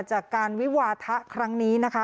จากการวิวาทะครั้งนี้นะคะ